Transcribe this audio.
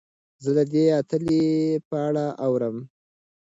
زه د دې اتلې په اړه اورم.